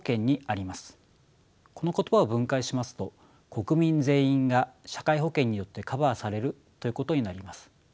この言葉を分解しますと国民全員が社会保険によってカバーされるということになります。